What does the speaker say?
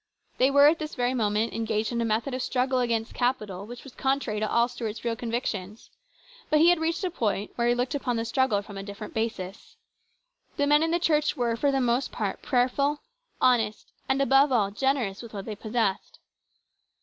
They were at this very moment engaged in a method of struggle against capital which was contrary to all Stuart's real convictions, but he had reached a point where he 234 HIS BROTHER'S KEEPER. looked upon the struggle from a different basis. The men in the church were for the most part prayerful, honest, and, above all, generous with what they possessed.